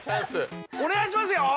お願いしますよ